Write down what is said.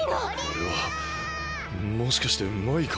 あれはもしかしてマイカ？